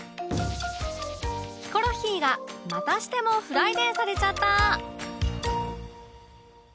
ヒコロヒーがまたしてもフライデーされちゃった！